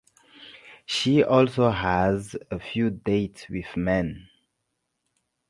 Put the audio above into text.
She also has a few dates with men.